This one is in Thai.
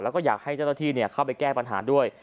แล้วก็อยากให้เจ้าหน้าที่เข้าไปแก้ปัญหาด้วย